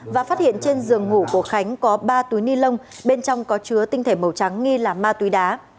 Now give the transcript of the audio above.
và phát hiện trên giường ngủ của khánh có ba túi ni lông bên trong có chứa tinh thể màu trắng nghi là ma túy đá